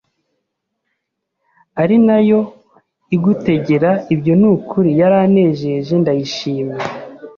ari nayo igutegera ibyo ni ukuri yaranejeje ndayishima